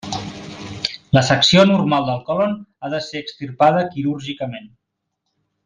La secció anormal del còlon ha de ser extirpada quirúrgicament.